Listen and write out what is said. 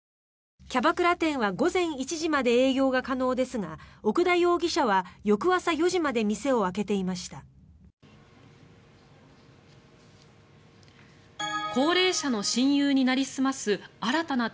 キャバクラ店は午前１時まで営業が可能ですが奥田容疑者は翌朝４時まで店を開けていました。